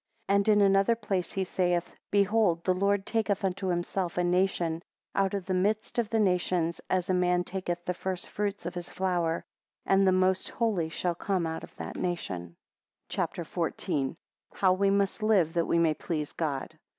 8 And in another place he saith, Behold the Lord taketh unto himself a nation, out of the midst of the nations, as a man taketh the first fruits of his flour; and the Most Holy shall come out of that nation. CHAPTER XIV. How we must live that we may please God.